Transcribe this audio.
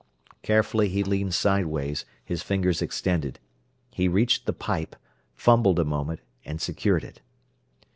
Carefully he leaned sideways, his fingers extended. He reached the pipe, fumbled a moment, and secured it.